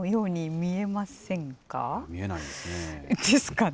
見えないですね。